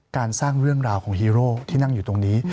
สร้างเรื่องราวของฮีโร่ที่นั่งอยู่ตรงนี้